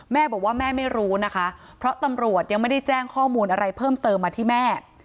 แม่บอกว่าแม่ไม่รู้นะคะเพราะตำรวจยังไม่ได้แจ้งข้อมูลอะไรเพิ่มเติมมาที่แม่